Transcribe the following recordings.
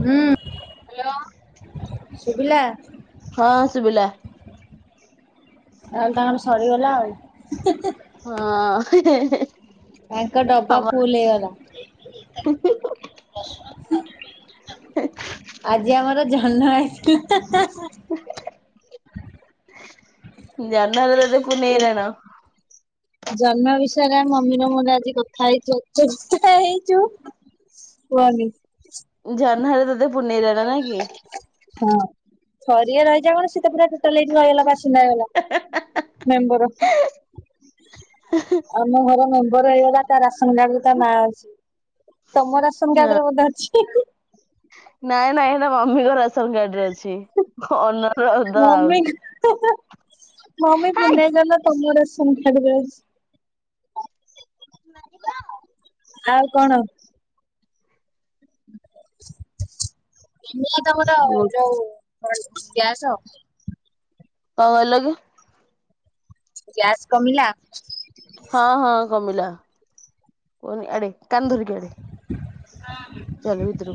ହୁଁ, ହ୍ୟାଲୋ। ଶୁଭିଲା? ହଁ ଶୁଭିଲା। ତାହେଲେ ତାଙ୍କର ସରିଗଲା ଆଉ। ହିଁ ହିଁ ହଁ, ହେ ହେ ହେ। ଆଙ୍କ ଡବା ଫୁଲ୍ ହେଇଗଲା। ଆଜି ଆମର ଜହ୍ନ ଆଇଥିଲା ଜହ୍ନ ଯେତେବେଳେ [inaudible] ଜହ୍ନ ବିଷୟରେ ମମି ର ମୋର ଆଜି କଥା ହେଇଚୁ [inaudible] [inaudible] ହେଇଚୁ। କୁହନି। ଜହ୍ନରେ ତତେ ପୁନେଇ ରାଣ ନା କି। ହଁ ଥରିଆ ରହିଚ ମାନେ ସେ ସେ ପୁରା ଟୋଟାଲେ ଏଠେ ରହିଗଲା ବାସିନ୍ଦା ହେଇଗଲା ମେମ୍ବର। ଆମ ଘର ମେମ୍ବର ହେଇଗଲା ତା ରାସନ କାର୍ଡରେ ତା ନା ଅଛି ତମ ରାସନ ହଁ। କାର୍ଡରେ ବୋଧେ ଅଛି। ହିଁ -ହିଁ। ନାଇଁ ନାଇଁ ହେଟା ମମିଙ୍କ ରାସନ୍ କାର୍ଡରେ ଅଛି। ଅନର ଅଫ ଦ ହାଉସ ମମିଙ୍କ ହେଁ -ହେଁ ମମି ହାଇ ପୁନେଇଁ ଜହ୍ନ ତମ ରାସନ୍ କାର୍ଡ ରେ ଅଛି। ନାଇ ଆଉ କଣ? କେମି-ଇଏ ତମର ଯଉ [unintelligible] ଗ୍ୟାସ। କଣ କହିଲ କି? ଗ୍ୟାସ୍ କମିଲା? ହଁ- ହଁ କମିଲା। ଚାଲ ଏଧରୁ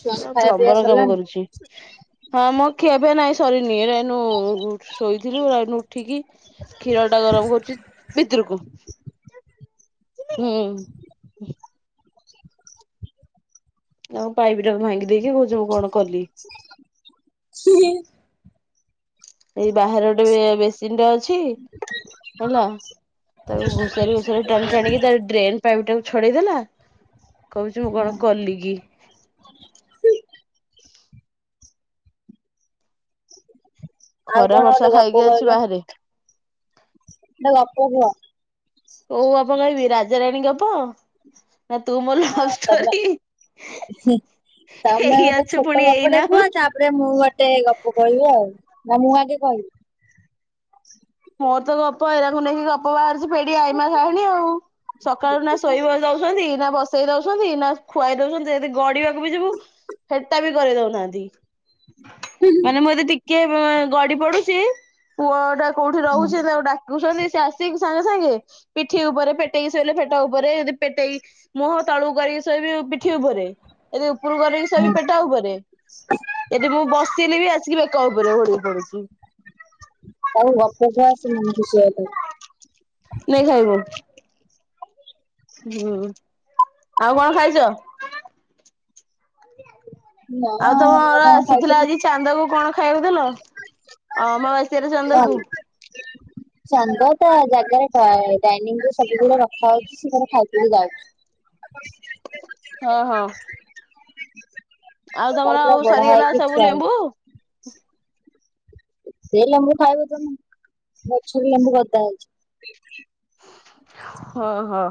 ଛୁଆଙ୍କୁ ଖାଇବା ପିଇବା ସରିଲାଣି ହଁ ମୁଁ ଖିଆ ପିଆ ନାଇଁ ସରିନି ଏରା ଏଇନୁ ଶୋଇଥିଲୁ ଆ ଏଇନୁ ଉଠିକି କ୍ଷୀର ଟା ଗରମ୍ କରୁଚି ହୁଁ। [inaudible] ସେ ହ ଏଇ ବାହାରେ ଗୋଟେ ବେ-ବେସିନ୍ ଟେ ଅଛି। ହେଲା ତାକୁ ଘୁଷାରୀ ଘୁଷାରି ଟାଣି ଟାଣିକି ତା ଡ୍ରେନ୍ ପାଇପ୍ ଟାକୁ ଛଡେଇଦେଲା କହୁଚି ମୁଁ କଣ କଲି କି। ଆଉ ଖରା କଣ ବର୍ଷା ଗୋଟେ ଗପ ଖାଇକି ଅଛି କହିଲ ବାହାରେ। [unintelligible] କଉ ଗପ କହିବି ରାଜାରାଣୀ ଗପ? ନା ତୁ ମୋ ତମେ ଲଭଷ୍ଟୋରି। ତମେ ଗୋଟେ ଛୋଟ ଗପ ଟେ ଏଇନା କୁହ ଚା ପରେ ମୁଁ ଗୋଟେ ଗପ କହିବି ଆଉ ନା ମୁଁ ଆଗେ କହିବି? ମୋର ତ ଗପ ଏରାକୁ ନେଇକି ଗପ ବାହାରୁଚି ଫେଡି ଆଇମା କାହାଣୀ ଆଉ ସକାଳୁ ନା ଶୋଇବା ଦଉସନ୍ତି ନା ବସେଇ ଦଉସନ୍ତି ନା ଖୁଆଇ ଦଉସନ୍ତି ଯଦି ଗଡିବାକୁ ବି ଯିବୁ ହେଟା ବି କରେଇ ଦଉନାହାନ୍ତି। ମାନେ ମୁଁ ଯଦି ଟିକେ ଗଡି ପଡୁଚି ପୁଅ ଟା କଉଠି ରହୁଚି ତାକୁ ଡାକ୍ କୁ ସନ୍ତି ସେ ଆସିକି ସାଙ୍ଗେ ସାଙ୍ଗେ ପିଠି ଉପରେ ପେଟେଇ ଶୋଇଲେ ପେଟ ଉପରେ ଯଦି ପେଟେଇ ମୁହଁ ତଳୁକୁ କରି ଶୋଇବି ପିଠି ଉପରେ ଏ ଦି ଉପରକୁ କରକି ସେ ବି ହୁଁ ପେଟ ଉପରେ ଏଠି ମୁଁ ବସେଲି ବି ଆସିକି ବେକ ଉପରେ ଓହଳି ପଡୁଚି। ଆଉ ଗପ ତ ଆସି ମନେ ଖୁସି ହେଇଥାଉ। [inaudible] ହୁଁ -ଆଉ କଣ ଖାଇଚ? ନା ଆଉ ଆମର ତମର କଣ ଆସିଥିଲା ଖାଇଥିଲୁ ଆଜି ଚାନ୍ଦ କୁ କଣ ଖାଇବାକୁ ଦେଲ? ଅମାବାସ୍ୟା ରେ ଚାନ୍ଦକୁ ସରି ଚାନ୍ଦ ଟା ଜାଗାରେ ଡାଇନିଂ ରୁ ସବୁବଳେ ରଖା ହଉଚି। ସେ ତାର ଖାଇ ପିଇକି ଯାଉଚି। [inaudible] ହଁ, ହଁ। ଆଉ ତାର ତୋମର ପୁରା ଆଉ ବଢା ସରିଗଲା ହେଇକି ସବୁ ଥୁଆ ଲେମ୍ବୁ? ହେଇଛି ସେ ଲେମ୍ବୁ ଖାଇବୁ ତୋମେ ଗଛରୁ ଲେମ୍ବୁ ଗଦା ହେଇଛି। ହଁ, ହଁ।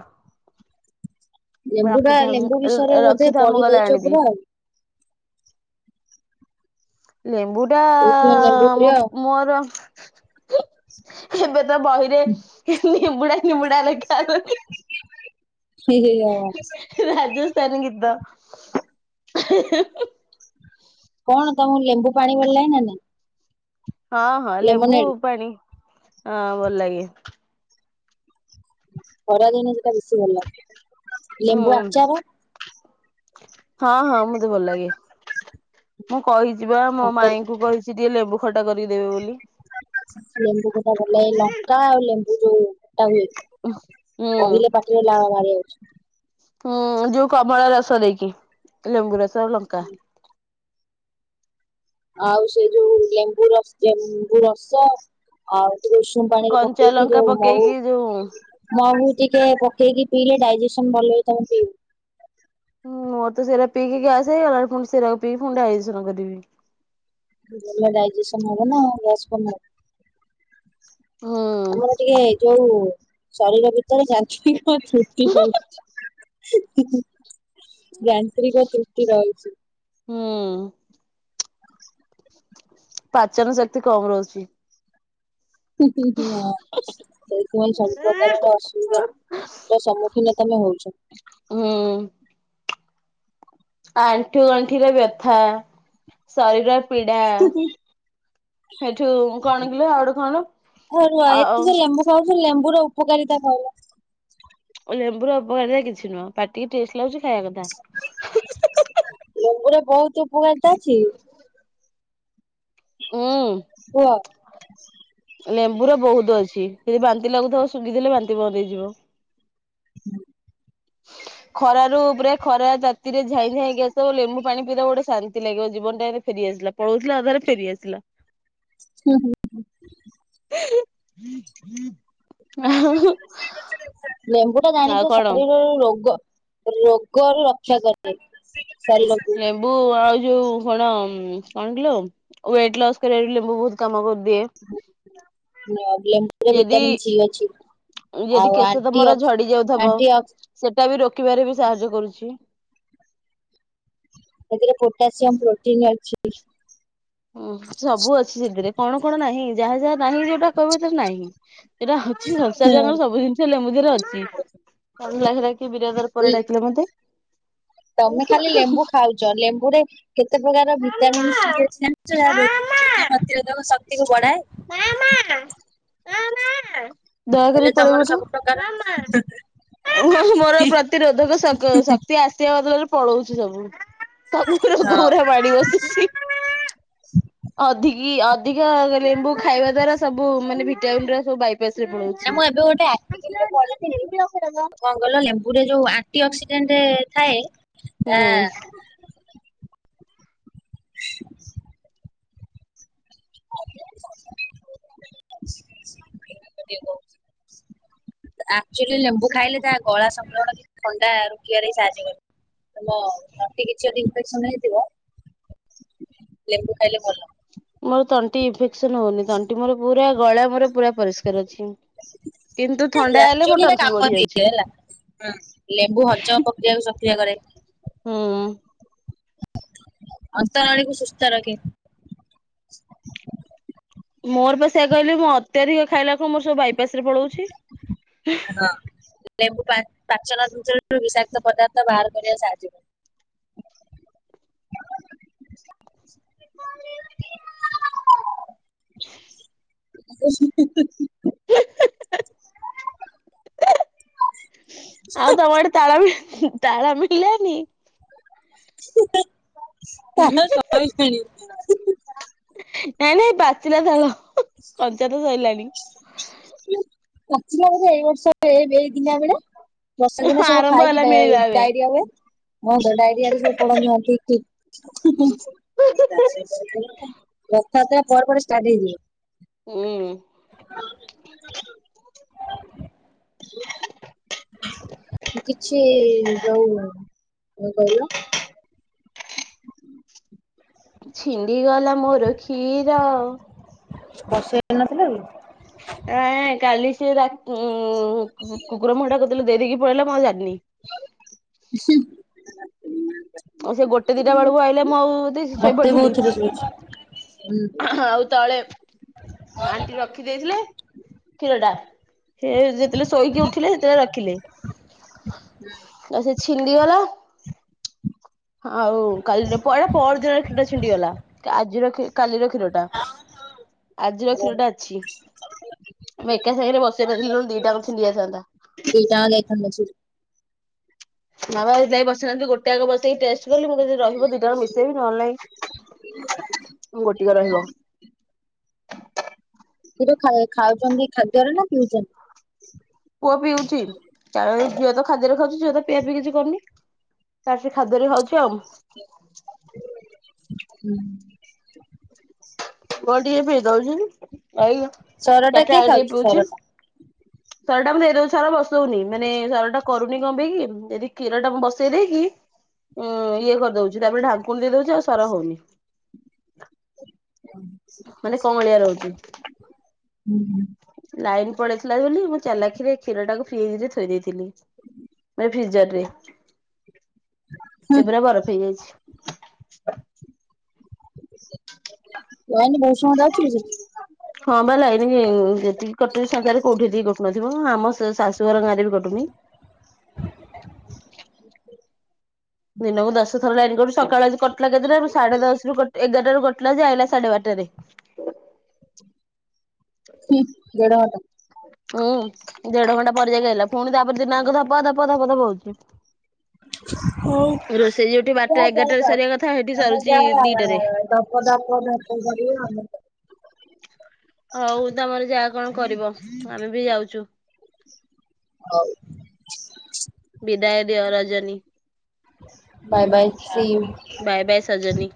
ଲେମ୍ବୁ ଟା ରଖିଥା ମୁଁ ଲେମ୍ବୁ ବିଷୟରେ ବୋଧେ ରଖିଥା ମୁଁ ପଢି ଗଲେ ଦେଇଚ ଆଣିବି ପୁରା। ଲେମ୍ବୁ ଟା ସେଇଥିପାଇଁ ଲେମ୍ବୁ ପ୍ରିୟ ମୋ ଆଉ ମୋର ଏବେ ତ ବହିରେ ନିମ୍ବୁଡା ନିମ୍ବୁଡା ଲେଖା ହେଲାଣି। ହି, ହି ଆଉ କଣ? ରାଜସ୍ଥାନ ଗୀତ। କଣ ତୋମକୁ ଲେମ୍ବୁ ପାଣି ଭଲ ଲାଗେ ନା ନାଇ? ହଁ, ହଁ ଲେମ୍ବୁ ପାଣି, ହଁ ଭଲ ଲାଗେ। ଖରାଦିନେ ସେଟା ବେଶୀ ଭଲ ଲାଗେ। ହୁଁ ଲେମ୍ବୁ ଆଚାର? ହଁ, ହଁ ମୋତେ ଭଲ ଲାଗେ। ମୁଁ କହିଚି ବା ମୋ ଭାତରେ ମାଇଁଙ୍କୁ କହିଛି ଟିକେ ଲେମ୍ବୁ ଖଟା କରିକି ଦେବେ ବୋଲି। ଲେମ୍ବୁ ଖଟା ଭଲ ଲାଗେ। ଲଙ୍କା ଆଉ ଲେମ୍ବୁ ଯୋଉ ଟା ହୁଏ, ହୁଁ କହିଲେ ପାଟିରେ ଲାଳ ବାହାରି ଆଉଛି। ହୁଁ, ଯୋଉ କମଳା ରସ ଦେଇକି। ଲେମ୍ବୁ ରସ ଲଙ୍କ ସେଇଆ। ଆଉ ସେ ଯୋଉ ଲେମ୍ବୁ ର, ଲେମ୍ବୁ ରସ ଆଉ ଟିକେ ଉ ଷୁମ ପାଣି ରେ କଞ୍ଚା ପକେଇକି ଲଙ୍କା ଯୋଉ ମହୁ ପକେଇକି ଯୋଉ ମହୁ ଟିକେ ପକେଇକି ପିଇଲେ ଡାଇଜେସନ୍ ଭଲ ହେଇଥାଉ ପିଉ। ମୋର ତ ସେରା ପିଇକି ଗ୍ୟାସ୍ ହେଇଗଲା। ପୁଣି ସେରା କୁ ପିଇକି ଡାଇଯେସନ୍ କରିବି। ଭଲ ଡାଇଜେସନ୍ ହବ ନା। ଗ୍ୟାସ୍ [inaudible] ହଁ। ଆମର ଟିକେ ଯୋଉ ଶରୀର ଭିତରେ ଯାନ୍ତ୍ରିକ ତ୍ରୁଟି ରହୁଛି। ଯାନ୍ତ୍ରିକ ତ୍ରୁଟି ରହିଛି। ହଁ। [inaudible] ପାଚନ ଶକ୍ତି କମ ରହୁଛି। ହୁଁ, ହୁଁ, ହୁଁ, ନା। ସେଇଥିପାଇଁ ସବୁପ୍ରକାରର ଅସୁବିଧା ର ସମ୍ମୁଖୀନ ତୋମେ ହଉଛ। ହୁଁ ଆଣ୍ଠୁ ଗଣ୍ଠିର ବ୍ୟଥା। ଶରୀର ପୀଡା, ସେଠୁ କଣ କିଲୋ ଆଉ ଗୋଟେ କଣ? ହଉ ରୁଅ ଆଉ ଏତେ ଯେ ଲେମ୍ବୁ ଖାଉଛୁ, ଲେମ୍ବୁର ଉପକାରିତା କହିଲ? ଲେମ୍ବୁର ଉପକାରିତା କିଛି ନୁହଁ। ପାଟିକି ଟେଷ୍ଟ ଲାଗୁଚି ଖାଇବା କଥା। ଲେମ୍ବୁରେ ବହୁତ ଉପକାରିତା ଅଛି। କୁହ। ଲେମ୍ବୁ ର ବହୁତ ଅଛି ଯଦି ବାନ୍ତି ଲାଗୁଥିବ ଶୁଙ୍ଘି ଦେଲେ ବାନ୍ତି ବନ୍ଦ ହେଇଯିବ। ହ। ଖରାରୁ ପୁରା ଖରା ତାତିରେ ଝାଇଁ ଝାଇଁକି ଆସିବ ଲେମ୍ବୁ ପାଣି ପିଇଦବ ଗୋଟେ ଶାନ୍ତି ଲାଗିବ। ଜୀବନ ଟା ଏବେ ଫେରି ଆସିଲା। ପଳଉଥିଲା ଅଧା ରୁ ଫେରିଆସିଲା। ହୁଁ, ହୁଁ। [inaudible] ଆଉ। ଲେମ୍ବୁ ଟା ଜାଣିଚ କଣ ଶରୀରର ରୋଗ ରୋଗ ରୁ ରକ୍ଷା କରେ ଶରୀରକୁ। ଲେମ୍ବୁ ଆଉ ଯୋଉ କଣ ଉଁ, କଣ କିଲୋ ୱେଟ୍ ଲସ୍ କରିବାର ଲେମ୍ବୁ ବହୁତ କାମ କରିଦିଏ। ନ ଲେମ୍ବ ଯଦି ଭିଟାମନ୍ ସି ଅଛି ଯଦି ଆଉ କେଶ ଆଣ୍ଟି ତମର ଅ ଝଡି ଯାଉଥବ ଆଣ୍ଟି କ୍ସସି ସେଟା ବି ରୋକିବାରେ ବି ସାହାଯ୍ୟ କରୁଛି। ସେଥିରେ ପୋଟାସିୟମ ପ୍ରୋଟିନ ଅଛି। ହଁ ସବୁ ଅଛି ସେଥିରେ କଣ କଣ ନାହିଁ ଯାହା ଯାହା ନାହିଁ ଯୋଉଟା କହିବ ତରେ ନାହିଁ। ସେଟା ସଂସାର ଯାଙ୍କ ସବୁ ଜିନିଷ ଲେମ୍ବୁ ଦିହରେ ଅଛି। [unintelligible] ବିରାଧର ପରେ ଡାକିଲ ମତେ। ତମେ ଖାଲି ଲେମ୍ବୁ ଖାଉଛ ଲେମ୍ବୁରେ କେତେ ପ୍ରକାର ଭିଟାମିନ୍ ସି ଅଛି ଜାଣି ଛ ଏହା ରୋଗ ପ୍ରତିରୋଧକ ଶକ୍ତିକୁ ବଢାଏ। ମାଆମା ମାମାଆ ଦୟାକରି ପଳେଇବୁ ଏଠୁ। ସବୁ ମାମା। ମୋର ପ୍ରତିରୋଧକ ଶ ଶକ୍ତି ଆସିବା ବଦଳରେ ପଳଉଛି ସବୁ ସବୁୁକୁ ରୋଗ ଗୁଡା ମାଡି ବସୁଛି। ଅଧିକି ଅଧିକ ଲେମ୍ବୁ ଖାଇବା ଦ୍ଵାରା ସବୁ ମାନେ ଭିଟାମିନ ଗୁରା ବାଇ ନା ମୁଁ ଏବେ ଗୋଟେ [unintelligible] ଗଲ ଲେମ୍ବୁରେ ଯୋଉ ଆଣ୍ଟି ଅକ୍ସିଡେଣ୍ଟ ଥାଏ ହୁଁ ତା [unintelligible] ଏକ୍ଟୁଆଲୀ ଲେମ୍ବୁ ଖାଇଲେ ତା ଗଳା ସଂକ୍ରଣ କି ଥଣ୍ଡା ରୋକିବାରେ ହି ସାହାଯ୍ୟ କରିବ। ତମ ଛାତି କିଛି ଯଦି ଇନଫେକସନ ହେଇଥିବ ଲେମ୍ବୁ ଖାଇଲେ ଭଲ। ମୋର ତଣ୍ଟି ଇନଫେକ୍ସନ ହଉନି ତଣ୍ଟି ମୋର ପୁରା ଗଳା ମୋର ପୁରା ପରିଷ୍କାର ଅଛି। କିନ୍ତୁ ଥଣ୍ଡା ହେଲେ ମୋ ଆକଚୁଆଲିରେ ଟନସିଲ ବଢି କାମଦିଏ ଯାଉଛି ହେଲା ହଁ ଲେମ୍ବୁ ହଜମ ପ୍ରକ୍ରିୟାକୁ ସକ୍ରିୟ କରେ। ହଁ। ଅନ୍ତନଳୀକୁ ସୁସ୍ଥ ରଖେ। ମୋରପା ସେଇୟା କହିଲି ମୁଁ ଅତ୍ୟଧିକ ଖାଇଲାକୁ ମୋର ସବୁ ବାଇପାସରେ ପଳଉଛି। ହଁ। ଲେମ୍ବୁ ପା ପାଚନ ଯନ୍ତ୍ରରୁ ବିଷାକ୍ତ ପଦାର୍ଥ ବାହାର କରିବା ସାହାଯ୍ୟ [inaudible] ଆଉ ତମ ଆଡେ ତାଳ ମି ତାଳ ମିଳିଲାନି? ତାଳ ସଇଲାଣି। ନାଇଁ ନାଇଁ ପାଚିଲା ତାଳ। କଞ୍ଚା ତ ସଇଲାଣି ହ ପାଚିଲା ବୋଧେ ଏଇ ବର୍ଷ ଏଇ ଦିନା ବେଳେ ବର୍ଷାଦିନେ ସବୁ ଆରମ୍ଭ ଖାଇକି ହେଲା ଡା ମିଳିବା ଏବେ। ଡାଇରିଆ ହୁଏ ହଁ ତ ଡାଇରିଆ ରେ ସବୁ ପଡନ୍ତି ବାନ୍ତି ହୁଁ ରଥ ଯାତ୍ରା ପରେ ପରେ ଷ୍ଟାର୍ଟ ହେଇଯିବ। ହୁଁ [unintelligible] କିଛି ଯଉ କଣ କହିଲ ଛିଣ୍ଡି ଗଲା ମୋର କ୍ଷୀର। ବଶେଇ ନଥିଲକି। ଆ କାଲି ସେ ରା ଉଁ କୁକୁର ମୁହାଁ କଉଦିନ ଦେଇ ଦେଇକି ପଳେଇଲା ମୁଁ ଆଉ ଜାଣିନି। [inaudible] ଆଉ ସେ ଗୋଟେ ଦିଟା ବେଳକୁ ଆଇଲେ ମୁଁ ଆଉ ମତେ ଶୋଇପଡିଥିଲି। ବହୁତ ଥର ଶୁଭୁଛି। ହୁଁ ଆଉ ତଳେ ହାଣ୍ଟି ରଖି ଦେଇଥିଲେ। କ୍ଷୀର ଟା ସେ ଯେତେବେଳେ ଶୋଇକି ଉଠିଲେ ସେତେବେଳେ ରଖିଲେ। ଆଉ ସେ ଛିଣ୍ଡି ଗଲା। ଆଉ କାଲିରଟା ପହର୍ ଦିନରେ କ୍ଷୀରଟା ଛିଣ୍ଡିଗଲା ଆଜିର କ କାଲିର କ୍ଷୀର ଟା। ଆଜିର କ୍ଷୀରଟା ଅଛି। ଆମେ ଏକା ସାଙ୍ଗରେ ବସି ନଥିଲୁ ଦିଟା ଆଙ୍କ ଛିଣ୍ଡି ଯାଇଥାନ୍ତା। ଦି ଟା ଯାଙ୍କ ଯାଇଥାନ୍ତା ଛିଡି। ନାବା ଯାଇ ବସେଇନାହାନ୍ତି ଗୋଟେ ଆଗ ବସେଇ ଟେଷ୍ଟ କଲି ମୁଁ କହିଲି ଯଦି ରହିବ ଦୁିଇଟା ଆକ୍ ମିଶେଇବି ନହଲେ ନାଇ ଗୋଟିକ ରହିବ। କ୍ଷୀର ଖାଏ ଖାଉଛନ୍ତି ଖାଦ୍ୟରେ ନା ପିଉଛନ୍ତି? ପୁଅ ପିଉଛି କାର ଝିଅତ ଖାଦ୍ୟରେ ଖାଉଛି ଝିଅ ତ ପିଆ ପିଇ କିଛି କରୁନି। ତାର ସେ ଖାଦ୍ୟରେ ହୋଉଛି ଆଉ। [unintelligible] ପୁଅ ଟିକେ ପିଇ ଦଉଛି ଏଇ ସର ଟା ଚାରିଟା କିଏ ବେଳେ ଟିକେ ଖାଉଛି ପିଉଛି। ସର ଟା? ସର ଟା ମୁଁ ଦେଇ ଦଉଛି ସର ବସଉନି ମାନେ ସର ଟା କରୁନି କଣ ପାଇଁକି ଯଦି କ୍ଷୀର ଟା ମୁଁ ବସେଇ ଦେଇେକି ଉ ଇଏ କରିଦଉଛି ତାପରେ ଢାଙ୍କୁଣୀ ଦେଇଦଉଛି ଆଉ ସର ହଉନି। [unintelligible] ମାନେ କଅଁଳିଆ ରହୁଛି। ଲାଇନ ଲାଇନ ପଳେଇଥିଲା ବୋଲି ମୁଁ ଚାଲାଖିରେ କ୍ଷୀର ଟାକୁ ଫ୍ରିଜିରେ ଥୋଇ ଦେଇଥିଲି। ଫ୍ରିଜରରେ ସେ ପୁରା ବରଫ ହେଇଯାଇଛି। ଲାଇନ ବହୁତ ସମୟ ଯାଉଚି କି ସେଠୀ। ହଁ ବା ଲାଇନ ଯେତିକି କଟୁଛି ସତରେ କୋଉଠିି ଏତିକି କଟୁନଥିବ ଆମ ଶାଶୁ ଘର ଗାଁରେ ବି କଟୁନି। ଦିନକୁ ଦଶଥର ଲାଇନ କଟୁଚି ସକାଳ ଆଜି କଟଲାଯେ ଏଦେରେ ସାଢେ ଦଶ ରୁ କ ଏଗାରଟ ରେ କଟିଲା ଯେ ଆଇଲା ସାଢେ ବାରଟାରେ। ହୁଁ ଦେଢ଼ ଘଣ୍ଟା। ଉୁଁ ଦେଢ ଘଣ୍ଟା ପରେଯାକି ଆଇଲା ପୁଣି ତାପରେ ଦିନାଆଙ୍କ ଧପ ଧପ ଧପ ଧପ ହଉଛି। ରୋଷେଇ ଯୋଉଠି ବାରଟା ଏଗାରଟାରେ ସରିବା କଥା ସେଠି ତମେ ସରୁଛି ଯା ଦିଟାରେ। [unintelligible] ହଉ ତମର ଯା କଣ କରିବ ଆମେ ବି ଯାଉଛୁ। ବିଦାୟ ଦିଅ Rajani. Bye bye see you. Bye bye Sajani.